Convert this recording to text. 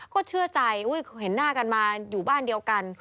ก็เชื่อใจเห็นหน้ากันมาอยู่บ้านเดียวกัน